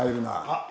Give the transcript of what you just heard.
あっ！